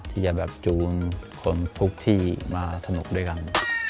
ที่จะแบบจูงคนทุกที่มาสนุกด้วยกัน